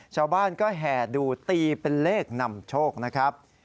ชาวบ้านก็แห่ดูตีเป็นเลขนำโชคนะครับ